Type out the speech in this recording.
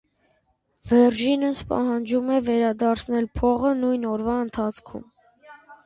Վերժինս պահանջում է վերադարձնել փողը նույն օրվա ընթացքում։